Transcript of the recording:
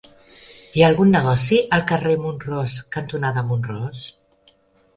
Hi ha algun negoci al carrer Mont-ros cantonada Mont-ros?